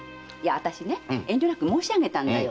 私は遠慮なく申し上げたのよ。